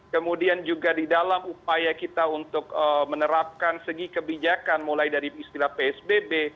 kemudian juga di dalam upaya kita untuk menerapkan segi kebijakan mulai dari istilah psbb